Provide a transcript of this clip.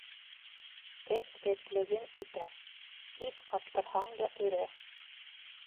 Эт этлеген итә: ит ҡаптырһаң да өрә.